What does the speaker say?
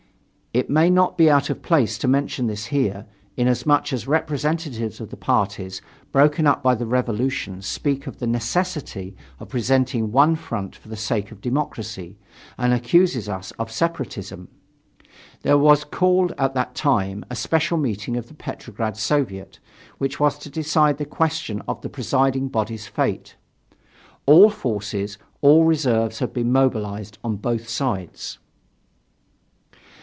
It may not be out of place to mention this here, inasmuch as representatives of the parties broken up by the revolution speak of the necessity of presenting one front for the sake of democracy, and accuse us of separatism. There was called at that time a special meeting of the Petrograd Soviet, which was to decide the question of the presiding body's fate. All forces, all reserves had been mobilized on both sides.